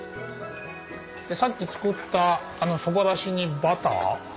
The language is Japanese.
さっき作ったそばだしにバター。